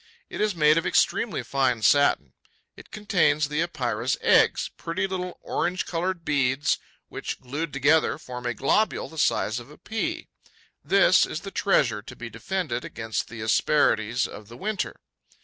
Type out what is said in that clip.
It is made of extremely fine satin; it contains the Epeira's eggs, pretty little orange coloured beads, which, glued together, form a globule the size of a pea. This is the treasure to be defended against the asperities of the winter.